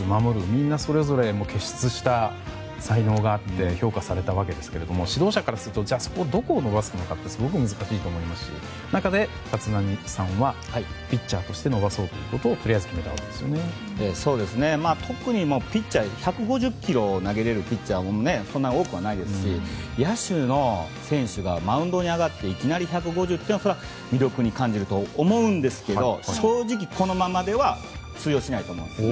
みんなそれぞれ傑出した才能があって評価されたわけですが指導者としてはどこを伸ばすのかすごく難しいと思いますし立浪さんは、ピッチャーとして伸ばそうということを特にピッチャーは１５０キロを投げれるピッチャーはそんなに多くないですし野手の選手がマウンドに上がっていきなり１５０というのは魅力に感じると思うんですけど正直、このままでは通用しないと思います